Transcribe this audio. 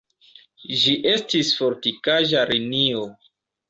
Ĝi estis fortikaĵa linio.